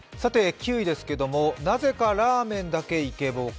９位ですけれども、なぜかラーメンだけイケボ。